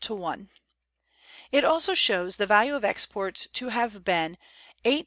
It also shows the value of exports to have been 8,238 8s.